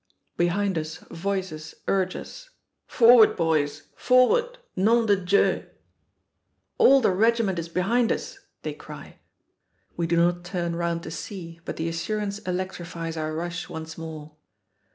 Behind us voices urge us "Forward, boys, forward, nome de Dieu!" "All the regiment is behind us!" they cry. We do not turn round to see, but the assurance electrifies our rush once more.